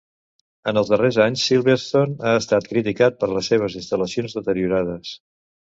En els darrers anys Silverstone ha estat criticat per les seves instal·lacions deteriorades.